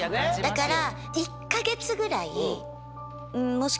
だから。